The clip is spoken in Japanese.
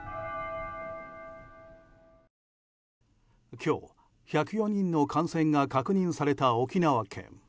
今日、１０４人の感染が確認された沖縄県。